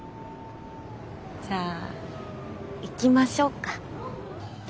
じゃあ行きましょうか。